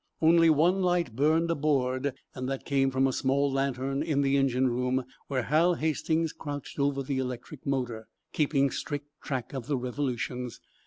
Only one light burned aboard, and that came from a small lantern in the engine room, where Hal Hastings crouched over the electric motor, keeping strict track of the revolutions.